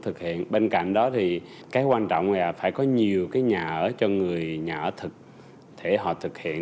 thực hiện bên cạnh đó thì cái quan trọng là phải có nhiều cái nhà ở cho người nhà ở thực để họ thực hiện